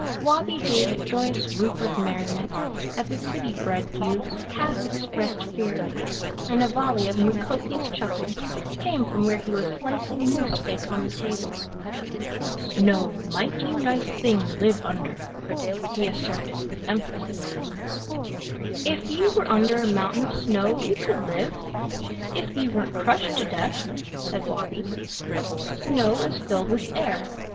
Wabi gave a joyous whoop of merriment at the city bred youth's half expressed fear and a volley of Mukoki's chuckles came from where he was slicing moose steak on the table. "Snow mighty nice thing live under," he asserted with emphasis. "If you were under a mountain of snow you could live, if you weren't crushed to death," said Wabi. "Snow is filled with air.